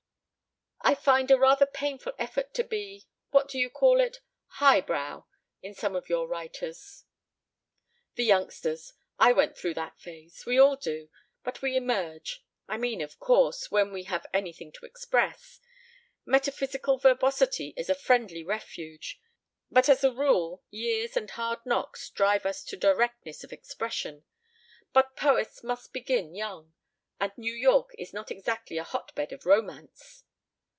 "I find a rather painful effort to be what do you call it? highbrow? in some of your writers." "The youngsters. I went through that phase. We all do. But we emerge. I mean, of course, when we have anything to express. Metaphysical verbosity is a friendly refuge. But as a rule years and hard knocks drive us to directness of expression. ... But poets must begin young. And New York is not exactly a hot bed of romance."